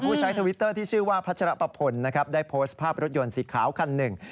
ใช้ทวิตเตอร์ที่ชื่อว่าพัชรปพลนะครับได้โพสต์ภาพรถยนต์สีขาวคันหนึ่ง